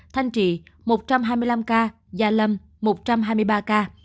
thanh trị một trăm hai mươi năm ca gia lâm một trăm hai mươi ba ca